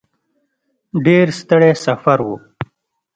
ډېر ستړی سفر و.